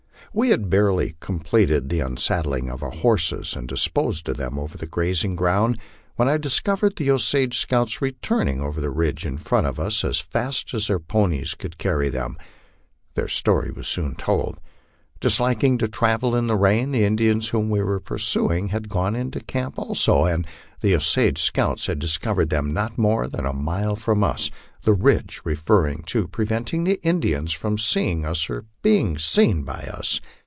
We had barely completed the un saddling of our horses and disposed of them over the grazing ground, when I discovered the Osage scouts returning over the ridge in front of us as fast as their ponies could carry them. Their story was soon told. Disliking to travel in the rain, the Indians whom we were pursuing had gone into camp also, and the Osage scouts had discovered them not more than a mlie from us, the ridge referred to preventing the Indians from seeing us or being seen by us.